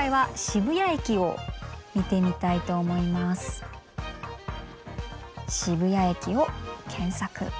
渋谷駅を検索。